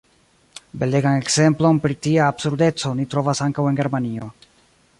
Belegan ekzemplon pri tia absurdeco ni trovas ankaŭ en Germanio.